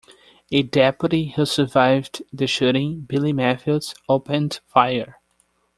A deputy who survived the shooting, Billy Matthews, opened fire.